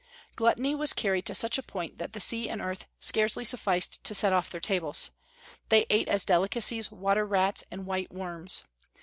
Gluttony was carried to such a point that the sea and earth scarcely sufficed to set off their tables; they ate as delicacies water rats and white worms.